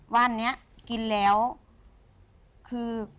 ว่านเนี้ยกินแล้วคือ